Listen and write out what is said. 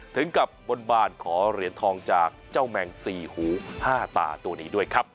ถึงบ้านบ้านก็ขอเหรียญทองจากแมงสี่หูห้าตาตัวนี้